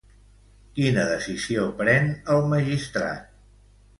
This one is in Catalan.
Quina decisió pren el magistrat?